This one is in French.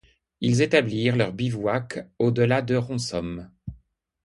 Ils établirent leur bivouac au delà de Rossomme.